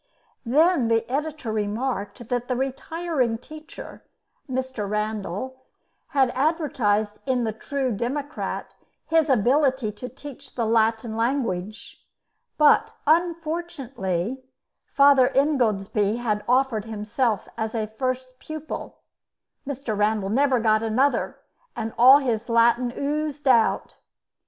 Then the editor remarked that the retiring teacher, Mr. Randal, had advertised in the 'True Democrat' his ability to teach the Latin language; but, unfortunately, Father Ingoldsby had offered himself as a first pupil; Mr. Randal never got another, and all his Latin oozed out.